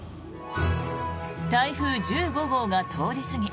台風１５号が通り過ぎ